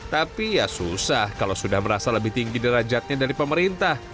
tapi ya susah kalau sudah merasa lebih tinggi derajatnya dari pemerintah